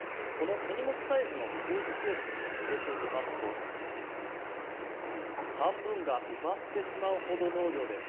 手荷物サイズのスーツケースに入れてみますと半分が埋まってしまうほどの量です。